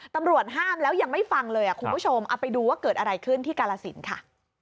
ตำรวจห้ามแล้วยังไม่ฟังเลยคุณผู้ชมเอาไปดูว่าเกิดอะไรขึ้นที่กาลสินค่ะ